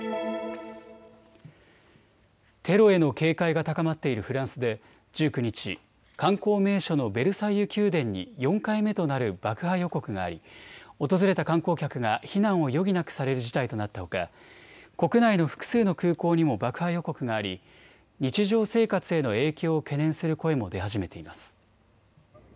テロへの警戒が高まっているフランスで１９日、観光名所のベルサイユ宮殿に４回目となる爆破予告があり訪れた観光客が避難を余儀なくされる事態となったほか国内の複数の空港にも爆破予告があり日常生活への影響を懸念する声も出始めています。